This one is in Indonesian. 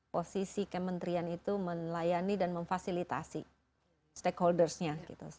posisi kementerian itu melayani dan memfasilitasi stakeholdersnya